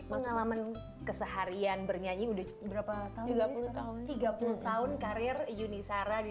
pengalaman keseharian bernyanyi udah berapa tahun tiga puluh tahun karir yuni sarah di